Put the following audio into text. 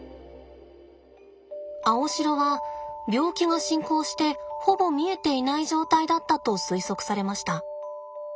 アオシロは病気が進行してほぼ見えていない状態だったと推測されました。